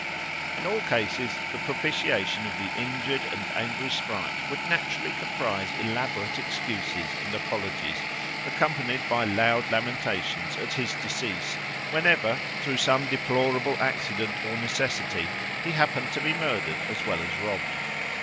In all cases the propitiation of the injured and angry, sprite would naturally comprise elaborate excuses and apologies, accompanied by loud lamentations at his decease whenever, through some deplorable accident or necessity, he happened to be murdered as well as robbed.